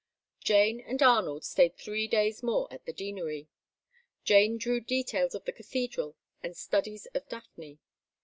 Jane and Arnold stayed three days more at the Deanery. Jane drew details of the Cathedral and studies of Daphne.